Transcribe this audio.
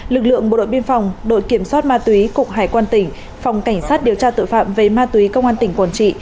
lực lượng bộ đội biên phòng đội kiểm soát ma túy cục hải quan tỉnh phòng cảnh sát điều tra tội phạm về ma túy công an tỉnh quảng trị